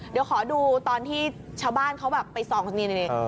เดี๋ยวขอดูตอนที่ชาวบ้านเขาแบบไปส่องนี่